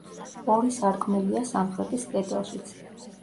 ორი სარკმელია სამხრეთის კედელშიც.